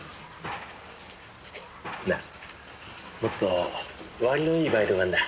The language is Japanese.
なあもっと割のいいバイトがあんだ。